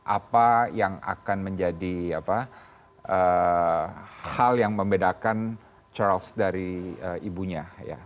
apa yang akan menjadi hal yang membedakan charles dari ibunya